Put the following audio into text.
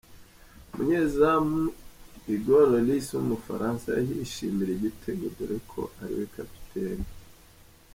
Umunyeazamu Hugo Lloris w'Ubufaransa yishimira igitego dore ko ariwe kapiteni.